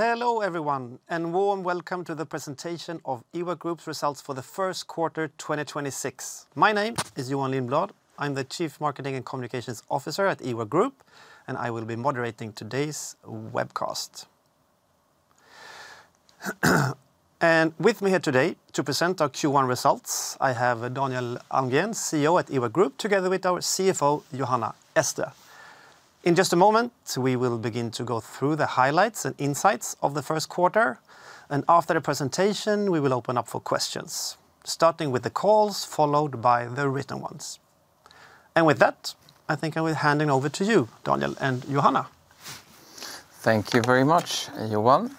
Hello everyone, warm welcome to the presentation of Ework Group's results for the first quarter, 2026. My name is Johan Lindbladh. I'm the Chief Marketing and Communications Officer at Ework Group, and I will be moderating today's webcast. With me here today to present our Q1 results, I have Daniel Almgren, CEO at Ework Group, together with our CFO, Johanna Estra. In just a moment, we will begin to go through the highlights and insights of the first quarter, and after the presentation, we will open up for questions, starting with the calls, followed by the written ones. With that, I think I will hand it over to you, Daniel and Johanna. Thank you very much, Johan.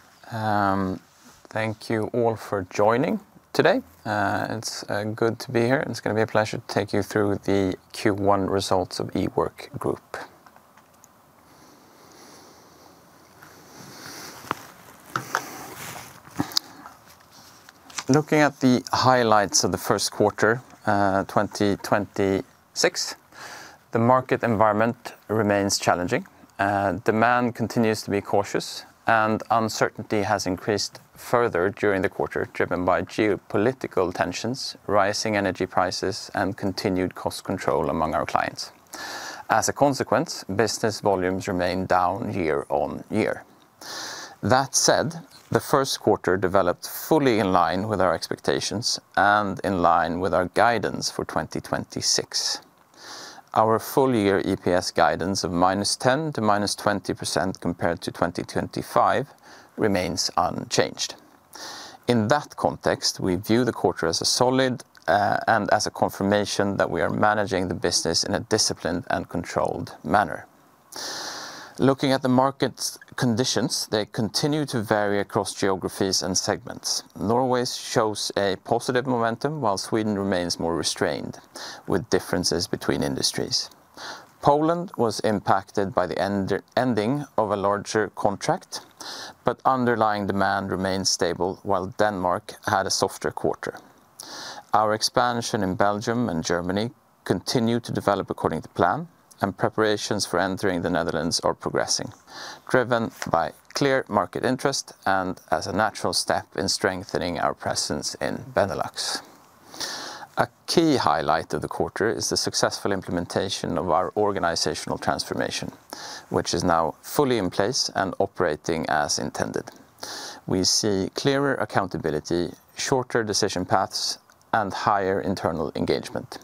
Thank you all for joining today. It's good to be here, and it's gonna be a pleasure to take you through the Q1 results of Ework Group. Looking at the highlights of the first quarter, 2026, the market environment remains challenging. Demand continues to be cautious, and uncertainty has increased further during the quarter, driven by geopolitical tensions, rising energy prices, and continued cost control among our clients. As a consequence, business volumes remain down year-on-year. That said, the first quarter developed fully in line with our expectations and in line with our guidance for 2026. Our full year EPS guidance of -10% to -20% compared to 2025 remains unchanged. In that context, we view the quarter as a solid, and as a confirmation that we are managing the business in a disciplined and controlled manner. Looking at the market's conditions, they continue to vary across geographies and segments. Norway shows a positive momentum while Sweden remains more restrained, with differences between industries. Poland was impacted by the ending of a larger contract, but underlying demand remains stable while Denmark had a softer quarter. Our expansion in Belgium and Germany continue to develop according to plan, and preparations for entering the Netherlands are progressing, driven by clear market interest and as a natural step in strengthening our presence in Benelux. A key highlight of the quarter is the successful implementation of our organizational transformation, which is now fully in place and operating as intended. We see clearer accountability, shorter decision paths, and higher internal engagement,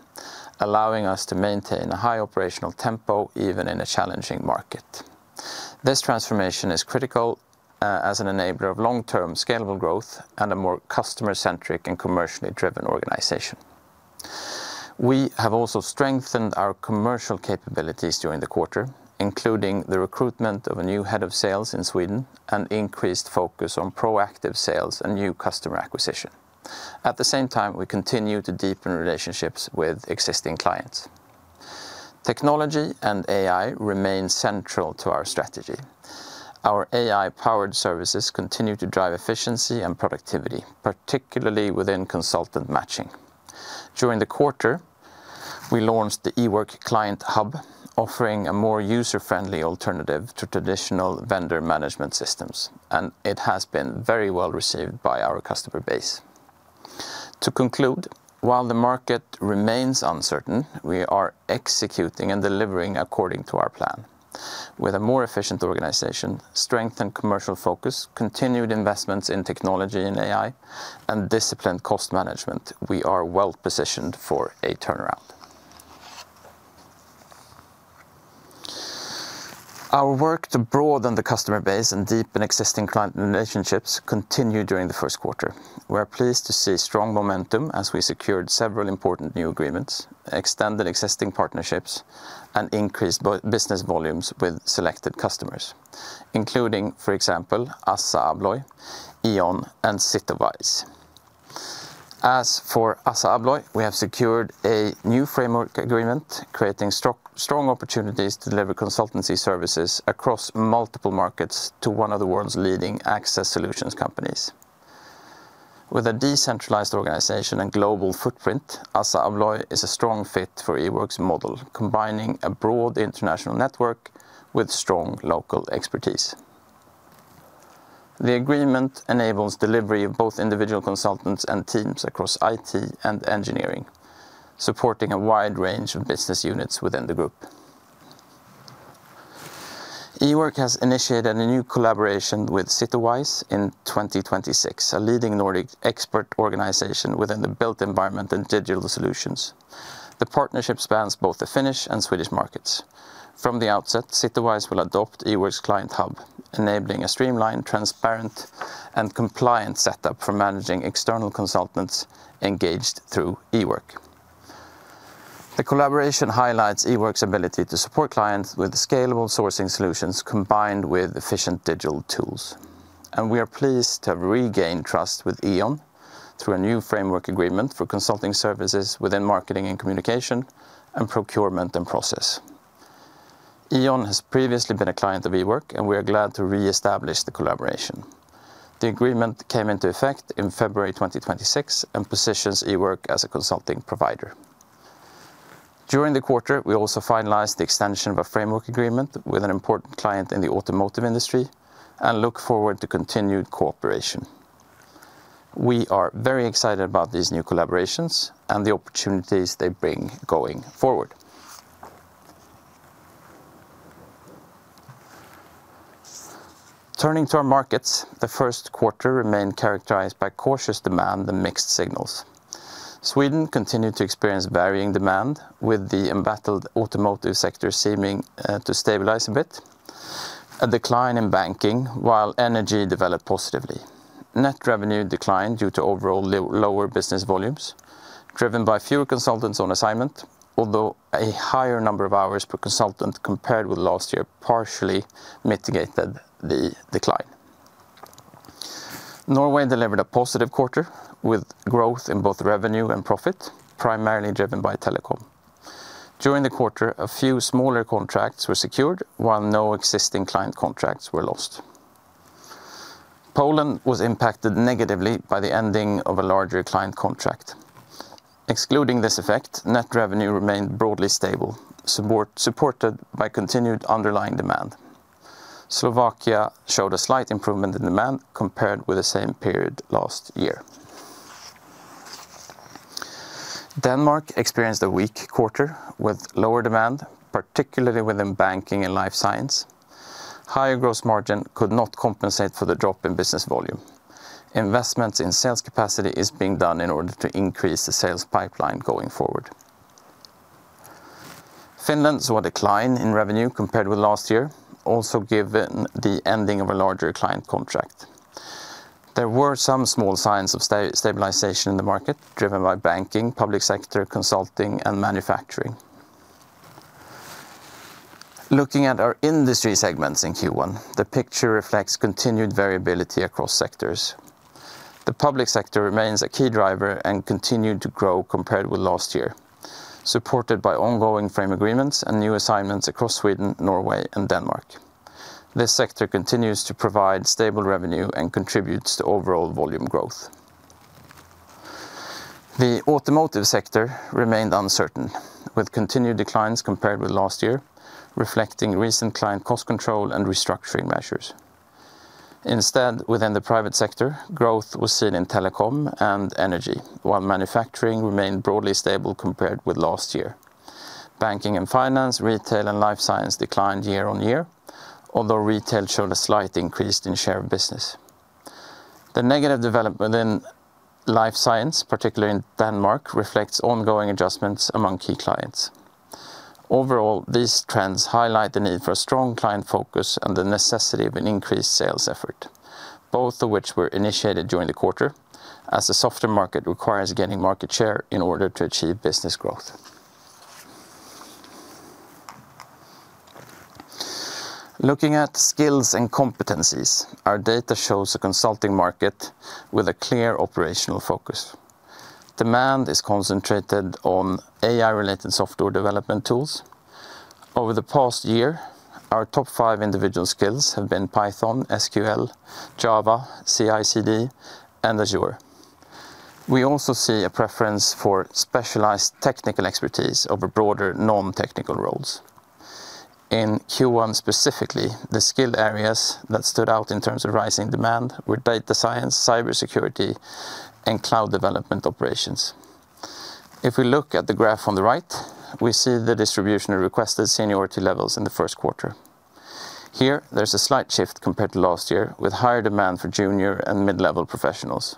allowing us to maintain a high operational tempo, even in a challenging market. This transformation is critical as an enabler of long-term scalable growth and a more customer-centric and commercially driven organization. We have also strengthened our commercial capabilities during the quarter, including the recruitment of a new head of sales in Sweden and increased focus on proactive sales and new customer acquisition. At the same time, we continue to deepen relationships with existing clients. Technology and AI remain central to our strategy. Our AI-powered services continue to drive efficiency and productivity, particularly within consultant matching. During the quarter, we launched the Ework Client Hub, offering a more user-friendly alternative to traditional vendor management systems, and it has been very well received by our customer base. To conclude, while the market remains uncertain, we are executing and delivering according to our plan. With a more efficient organization, strength and commercial focus, continued investments in technology and AI, and disciplined cost management, we are well-positioned for a turnaround. Our work to broaden the customer base and deepen existing client relationships continued during the first quarter. We're pleased to see strong momentum as we secured several important new agreements, extended existing partnerships, and increased business volumes with selected customers, including, for example, ASSA ABLOY, E.ON, and Sitowise. As for ASSA ABLOY, we have secured a new framework agreement, creating strong opportunities to deliver consultancy services across multiple markets to one of the world's leading access solutions companies. With a decentralized organization and global footprint, ASSA ABLOY is a strong fit for Ework's model, combining a broad international network with strong local expertise. The agreement enables delivery of both individual consultants and teams across IT and engineering, supporting a wide range of business units within the group. Ework has initiated a new collaboration with Sitowise in 2026, a leading Nordic expert organization within the built environment and digital solutions. The partnership spans both the Finnish and Swedish markets. From the outset, Sitowise will adopt Ework's Client Hub, enabling a streamlined, transparent, and compliant setup for managing external consultants engaged through Ework. The collaboration highlights Ework's ability to support clients with scalable sourcing solutions combined with efficient digital tools. We are pleased to have regained trust with E.ON through a new framework agreement for consulting services within marketing and communication and procurement and process. E.ON has previously been a client of Ework, and we are glad to reestablish the collaboration. The agreement came into effect in February 2026 and positions Ework as a consulting provider. During the quarter, we also finalized the extension of a framework agreement with an important client in the automotive industry, and look forward to continued cooperation. We are very excited about these new collaborations and the opportunities they bring going forward. Turning to our markets, the first quarter remained characterized by cautious demand and mixed signals. Sweden continued to experience varying demand with the embattled automotive sector seeming to stabilize a bit. A decline in banking while energy developed positively. Net revenue declined due to overall lower business volumes driven by fewer consultants on assignment, although a higher number of hours per consultant compared with last year partially mitigated the decline. Norway delivered a positive quarter with growth in both revenue and profit, primarily driven by telecom. During the quarter, a few smaller contracts were secured while no existing client contracts were lost. Poland was impacted negatively by the ending of a larger client contract. Excluding this effect, net revenue remained broadly stable, supported by continued underlying demand. Slovakia showed a slight improvement in demand compared with the same period last year. Denmark experienced a weak quarter with lower demand, particularly within banking and life science. Higher gross margin could not compensate for the drop in business volume. Investments in sales capacity is being done in order to increase the sales pipeline going forward. Finland saw a decline in revenue compared with last year, also given the ending of a larger client contract. There were some small signs of stabilization in the market driven by banking, public sector consulting, and manufacturing. Looking at our industry segments in Q1, the picture reflects continued variability across sectors. The public sector remains a key driver and continued to grow compared with last year, supported by ongoing frame agreements and new assignments across Sweden, Norway, and Denmark. This sector continues to provide stable revenue and contributes to overall volume growth. The automotive sector remained uncertain with continued declines compared with last year, reflecting recent client cost control and restructuring measures. Instead, within the private sector, growth was seen in telecom and energy, while manufacturing remained broadly stable compared with last year. Banking and finance, retail, and life science declined year-on-year, although retail showed a slight increase in share of business. The negative development in life science, particularly in Denmark, reflects ongoing adjustments among key clients. Overall, these trends highlight the need for a strong client focus and the necessity of an increased sales effort, both of which were initiated during the quarter as the softer market requires gaining market share in order to achieve business growth. Looking at skills and competencies, our data shows a consulting market with a clear operational focus. Demand is concentrated on AI-related software development tools. Over the past year, our top five individual skills have been Python, SQL, Java, CI/CD, and Azure. We also see a preference for specialized technical expertise over broader non-technical roles. In Q1 specifically, the skilled areas that stood out in terms of rising demand were Data Science, Cybersecurity, and cloud development operations. If we look at the graph on the right, we see the distribution of requested seniority levels in the first quarter. Here, there's a slight shift compared to last year with higher demand for junior and mid-level professionals.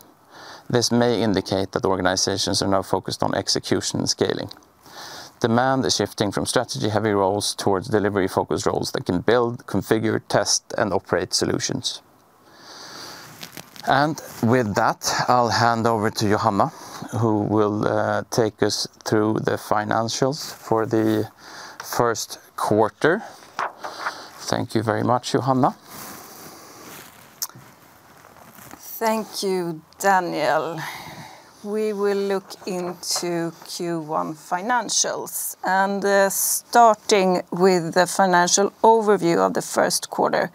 This may indicate that organizations are now focused on execution and scaling. Demand is shifting from strategy-heavy roles towards delivery-focused roles that can build, configure, test, and operate solutions. With that, I'll hand over to Johanna, who will take us through the financials for the first quarter. Thank you very much, Johanna. Thank you, Daniel. We will look into Q1 financials, and starting with the financial overview of the first quarter,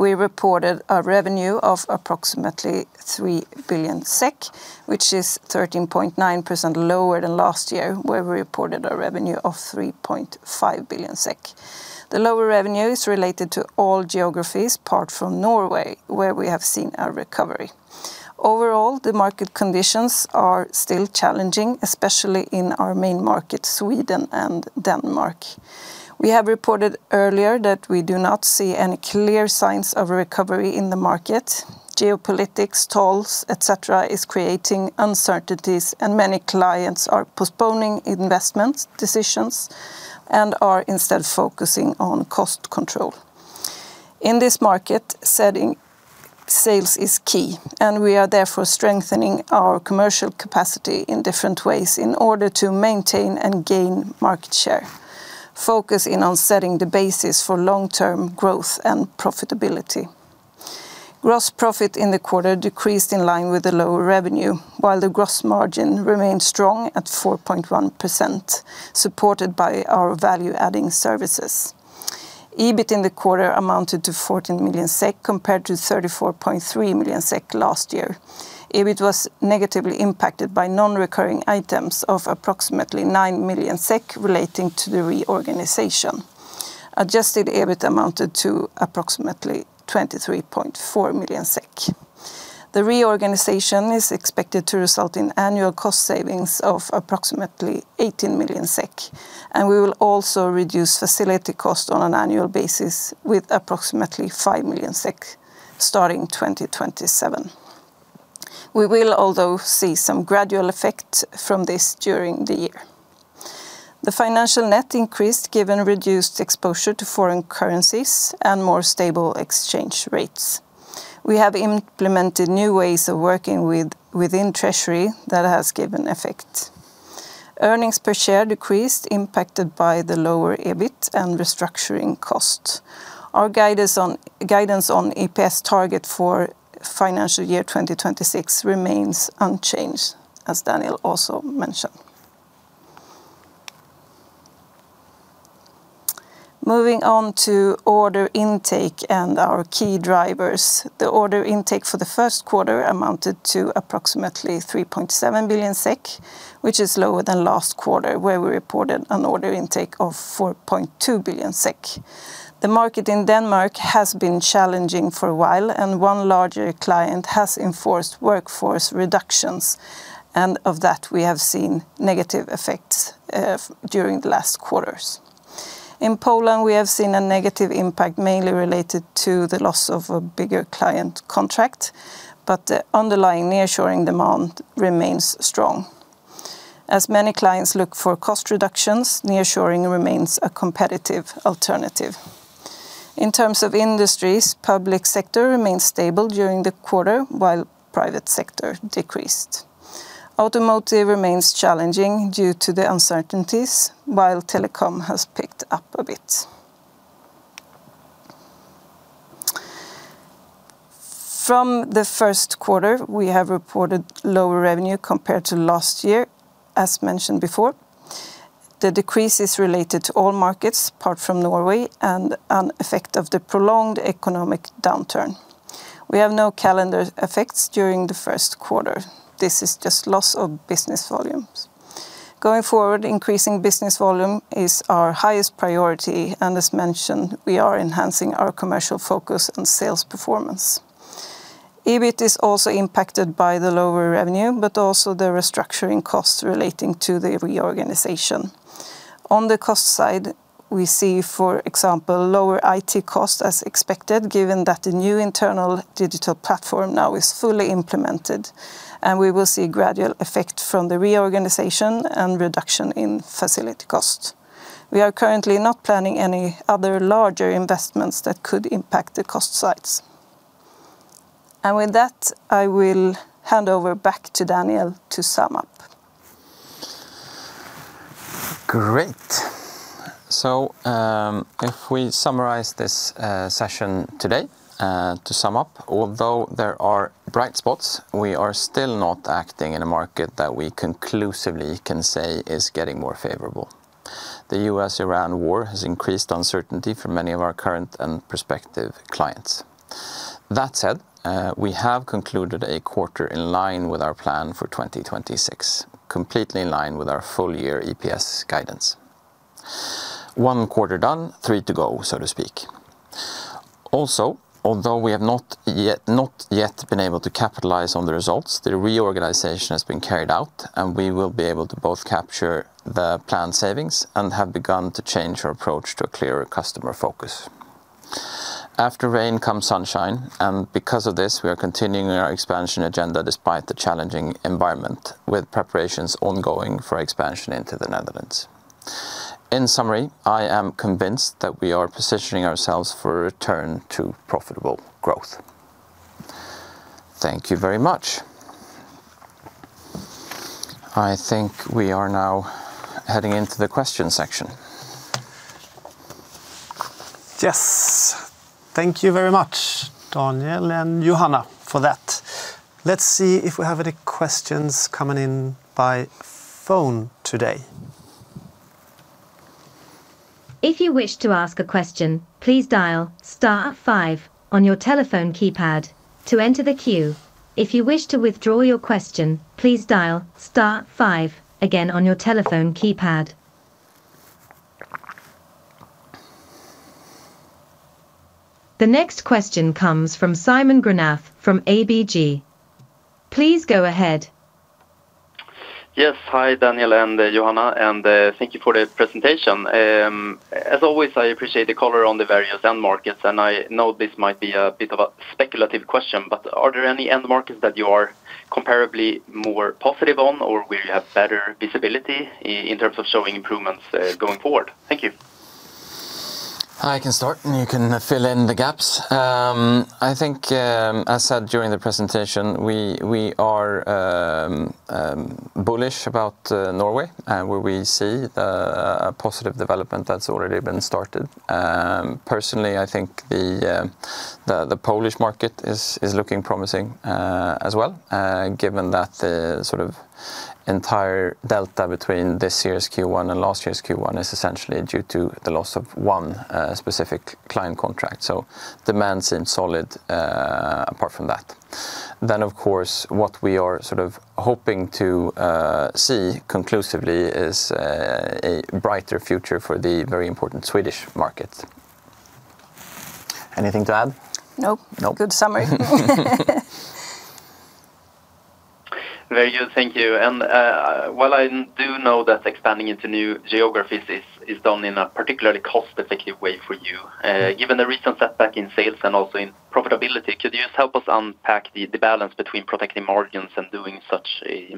we reported a revenue of approximately 3 billion SEK, which is 13.9% lower than last year, where we reported a revenue of 3.5 billion SEK. The lower revenue is related to all geographies apart from Norway, where we have seen a recovery. Overall, the market conditions are still challenging, especially in our main markets, Sweden and Denmark. We have reported earlier that we do not see any clear signs of recovery in the market. Geopolitics, tolls, et cetera, is creating uncertainties, and many clients are postponing investment decisions and are instead focusing on cost control. In this market setting, sales is key, and we are therefore strengthening our commercial capacity in different ways in order to maintain and gain market share, focusing on setting the basis for long-term growth and profitability. Gross profit in the quarter decreased in line with the lower revenue, while the gross margin remained strong at 4.1%, supported by our value-adding services. EBIT in the quarter amounted to 14 million SEK compared to 34.3 million SEK last year. EBIT was negatively impacted by non-recurring items of approximately 9 million SEK relating to the reorganization. Adjusted EBIT amounted to approximately 23.4 million SEK. The reorganization is expected to result in annual cost savings of approximately 18 million SEK, and we will also reduce facility cost on an annual basis with approximately 5 million SEK starting 2027. We will although see some gradual effect from this during the year. The financial net increased given reduced exposure to foreign currencies and more stable exchange rates. We have implemented new ways of working within treasury that has given effect. Earnings per share decreased impacted by the lower EBIT and restructuring cost. Our guidance on EPS target for financial year 2026 remains unchanged, as Daniel also mentioned. Moving on to order intake and our key drivers. The order intake for the first quarter amounted to approximately 3.7 billion SEK, which is lower than last quarter, where we reported an order intake of 4.2 billion SEK. The market in Denmark has been challenging for a while, and one larger client has enforced workforce reductions, and of that we have seen negative effects during the last quarters. In Poland, we have seen a negative impact mainly related to the loss of a bigger client contract, but the underlying nearshoring demand remains strong. As many clients look for cost reductions, nearshoring remains a competitive alternative. In terms of industries, public sector remains stable during the quarter while private sector decreased. Automotive remains challenging due to the uncertainties, while telecom has picked up a bit. From the first quarter, we have reported lower revenue compared to last year, as mentioned before. The decrease is related to all markets apart from Norway and an effect of the prolonged economic downturn. We have no calendar effects during the first quarter. This is just loss of business volumes. Going forward, increasing business volume is our highest priority, and as mentioned, we are enhancing our commercial focus on sales performance. EBIT is also impacted by the lower revenue, but also the restructuring costs relating to the reorganization. On the cost side, we see, for example, lower IT costs as expected, given that the new internal digital platform now is fully implemented, and we will see gradual effect from the reorganization and reduction in facility costs. We are currently not planning any other larger investments that could impact the cost sites. With that, I will hand over back to Daniel to sum up. Great. If we summarize this session today, to sum up, although there are bright spots, we are still not acting in a market that we conclusively can say is getting more favorable. The US-Iran war has increased uncertainty for many of our current and prospective clients. That said, we have concluded a quarter in line with our plan for 2026, completely in line with our full year EPS guidance. One quarter done, three to go, so to speak. Although we have not yet been able to capitalize on the results, the reorganization has been carried out, and we will be able to both capture the planned savings and have begun to change our approach to a clearer customer focus. After rain comes sunshine, and because of this, we are continuing our expansion agenda despite the challenging environment with preparations ongoing for expansion into the Netherlands. In summary, I am convinced that we are positioning ourselves for a return to profitable growth. Thank you very much. I think we are now heading into the question section. Yes. Thank you very much, Daniel and Johanna, for that. Let's see if we have any questions coming in by phone today. The next question comes from Simon Granath from ABG. Please go ahead. Yes. Hi, Daniel and Johanna, and thank you for the presentation. As always, I appreciate the color on the various end markets, and I know this might be a bit of a speculative question, but are there any end markets that you are comparably more positive on or where you have better visibility in terms of showing improvements going forward? Thank you. I can start, and you can fill in the gaps. I think, as said during the presentation, we are bullish about Norway, where we see a positive development that's already been started. Personally, I think the Polish market is looking promising as well, given that the sort of entire delta between this year's Q1 and last year's Q1 is essentially due to the loss of one specific client contract. Demand seems solid, apart from that. Of course, what we are sort of hoping to see conclusively is a brighter future for the very important Swedish market. Anything to add? No. No. Good summary. Very good. Thank you. While I do know that expanding into new geographies is done in a particularly cost-effective way for you, given the recent setback in sales and also in profitability, could you just help us unpack the balance between protecting margins and doing such a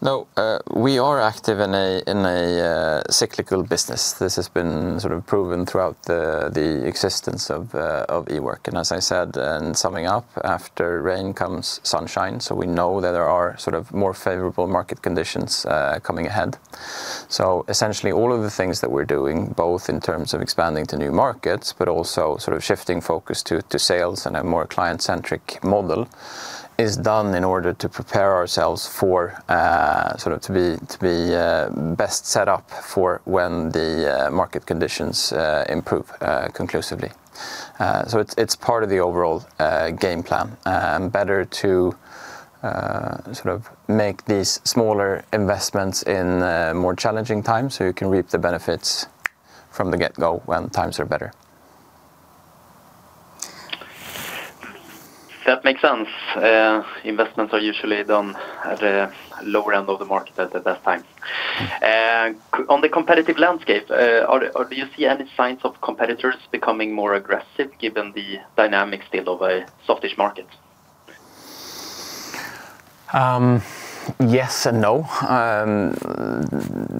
investment? We are active in a cyclical business. This has been sort of proven throughout the existence of Ework. As I said in summing up, after rain comes sunshine, we know that there are sort of more favorable market conditions coming ahead. Essentially, all of the things that we're doing, both in terms of expanding to new markets, but also sort of shifting focus to sales and a more client-centric model, is done in order to prepare ourselves for sort of to be best set up for when the market conditions improve conclusively. It's part of the overall game plan. Better to sort of make these smaller investments in more challenging times so you can reap the benefits from the get-go when times are better. That makes sense. Investments are usually done at a lower end of the market at the best times. On the competitive landscape, do you see any signs of competitors becoming more aggressive given the dynamic state of a softish market? Yes and no.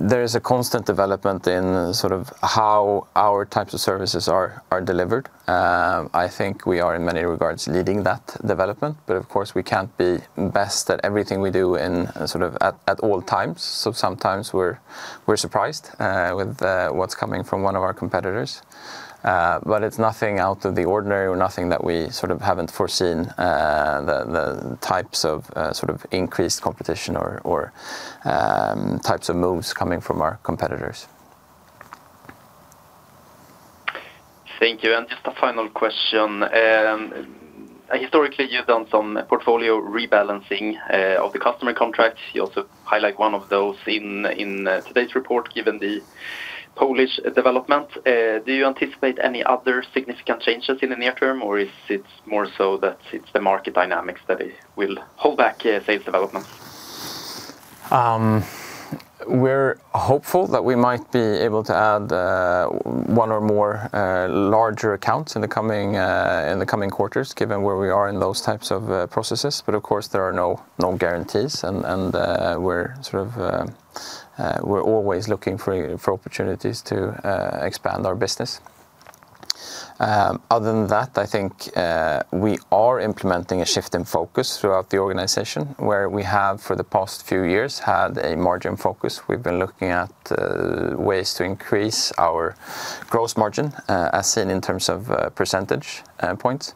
There is a constant development in sort of how our types of services are delivered. I think we are in many regards leading that development, of course we can't be best at everything we do in sort of at all times, so sometimes we're surprised with what's coming from one of our competitors. It's nothing out of the ordinary or nothing that we sort of haven't foreseen, the types of sort of increased competition or types of moves coming from our competitors. Thank you. Just a final question. Historically you've done some portfolio rebalancing of the customer contracts. You also highlight one of those in today's report, given the Polish development. Do you anticipate any other significant changes in the near term, or is it more so that it's the market dynamics that it will hold back sales development? We're hopeful that we might be able to add one or more larger accounts in the coming quarters given where we are in those types of processes. Of course there are no guarantees and we're sort of, we're always looking for opportunities to expand our business. Other than that, I think, we are implementing a shift in focus throughout the organization where we have for the past few years had a margin focus. We've been looking at ways to increase our gross margin as in terms of percentage points.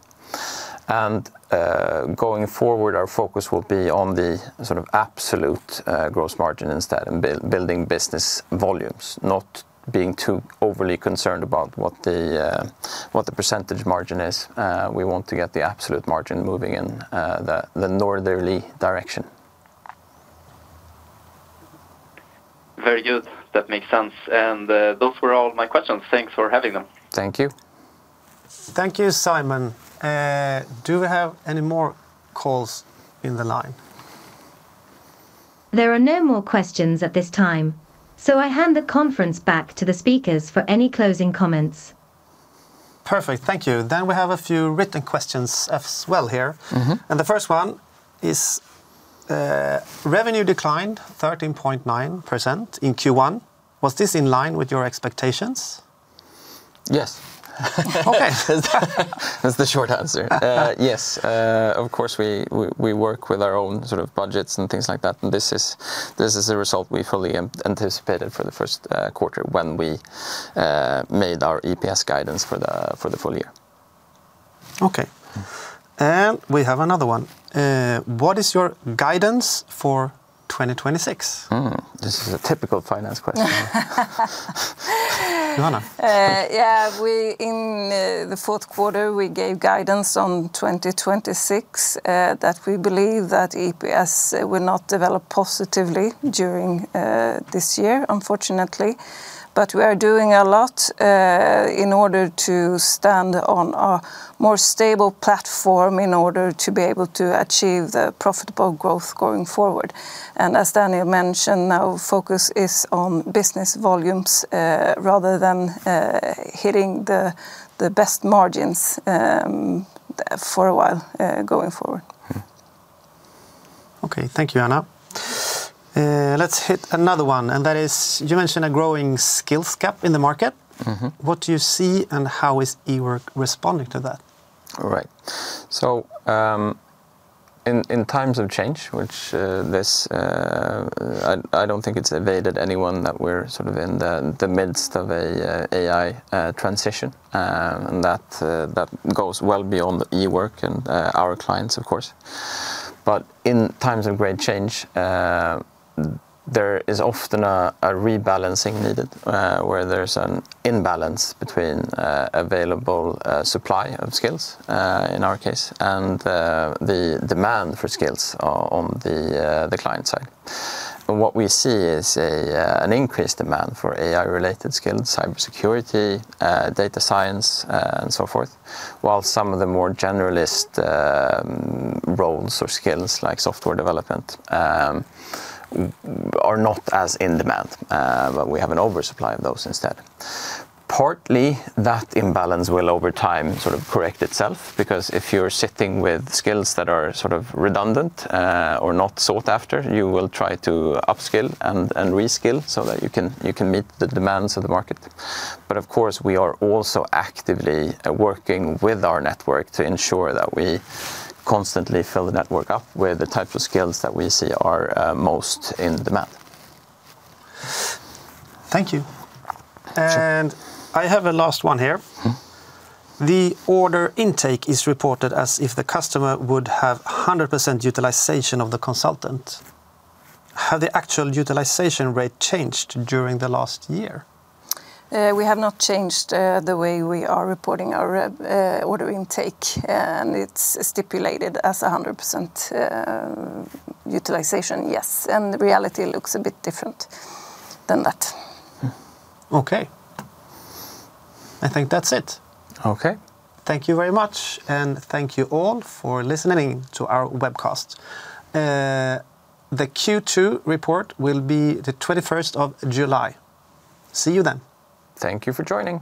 Going forward, our focus will be on the sort of absolute gross margin instead and building business volumes, not being too overly concerned about what the percentage margin is. We want to get the absolute margin moving in the northerly direction. Very good. That makes sense. Those were all my questions. Thanks for having them. Thank you. Thank you, Simon. Do we have any more calls in the line? There are no more questions at this time, so I hand the conference back to the speakers for any closing comments. Perfect. Thank you. We have a few written questions as well here. Mm-hmm. The first one is, revenue declined 13.9% in Q1. Was this in line with your expectations? Yes. Okay. That's the short answer. Yes, of course we work with our own sort of budgets and things like that, and this is a result we fully anticipated for the first quarter when we made our EPS guidance for the full year. Okay. We have another one. What is your guidance for 2026? This is a typical finance question. Johanna? Yeah, we in the fourth quarter we gave guidance on 2026 that we believe that EPS will not develop positively during this year, unfortunately. We are doing a lot in order to stand on a more stable platform in order to be able to achieve the profitable growth going forward. As Daniel mentioned, our focus is on business volumes, rather than hitting the best margins for a while going forward. Mm. Okay, thank you, Johanna. let's hit another one, and that is you mentioned a growing skills gap in the market. Mm-hmm. What do you see, and how is Ework responding to that? Right. In times of change, which this, I don't think it's evaded anyone that we're sort of in the midst of a AI transition, that goes well beyond Ework and our clients of course. In times of great change, there is often a rebalancing needed, where there's an imbalance between available supply of skills, in our case, and the demand for skills on the client side. What we see is an increased demand for AI-related skills, Cybersecurity, Data Science, and so forth, while some of the more generalist roles or skills, like software development, are not as in demand, we have an oversupply of those instead. Partly, that imbalance will over time sort of correct itself because if you're sitting with skills that are sort of redundant, or not sought after, you will try to up-skill and re-skill so that you can meet the demands of the market. Of course we are also actively working with our network to ensure that we constantly fill the network up with the types of skills that we see are most in demand. Thank you. Sure. I have a last one here. Mm-hmm. The order intake is reported as if the customer would have 100% utilization of the consultant. Have the actual utilization rate changed during the last year? We have not changed the way we are reporting our order intake, and it's stipulated as a 100% utilization, yes. The reality looks a bit different than that. Mm. Okay. I think that's it. Okay. Thank you very much. Thank you all for listening to our webcast. The Q2 report will be the 21st of July. See you then. Thank you for joining.